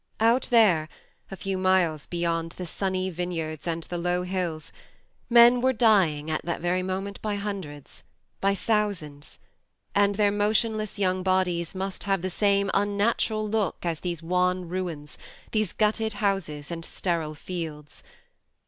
Out there, a few miles beyond the sunny vineyards and the low hills, men were dying at that very moment by hundreds, by thousands and their motionless young bodies must have the same unnatural look as these wan ruins, these gutted houses and sterile fields.